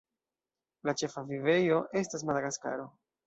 La ĉefa vivejo estas Madagaskaro.